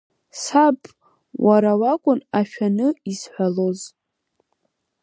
Саб, уара уакән ашәаны изҳәалоз…